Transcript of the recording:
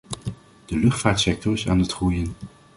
De luchtvaartsector is aan het groeien.